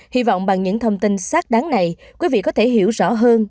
hy vọng bằng những thông tin xác đáng này quý vị có thể hiểu rõ hơn